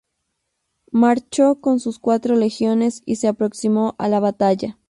Marchó con sus cuatro legiones y se aproximó a la batalla.